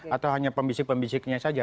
atau hanya pemisik pemisiknya saja